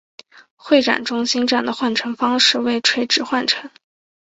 会展中心站的换乘方式为垂直换乘。